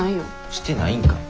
してないんかい。